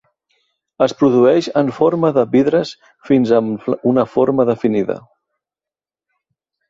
Es produeix en forma de vidres fins amb una forma definida.